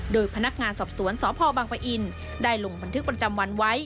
โดยพนักงานสอบสวนสพบังปะอินได้ลงบันทึกประจำวันไว้